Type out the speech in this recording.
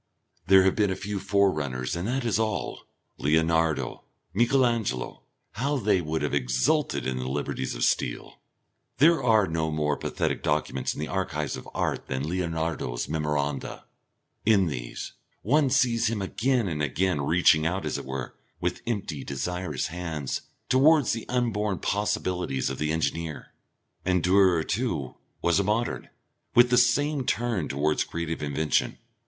There have been a few forerunners and that is all. Leonardo, Michael Angelo; how they would have exulted in the liberties of steel! There are no more pathetic documents in the archives of art than Leonardo's memoranda. In these, one sees him again and again reaching out as it were, with empty desirous hands, towards the unborn possibilities of the engineer. And Durer, too, was a Modern, with the same turn towards creative invention.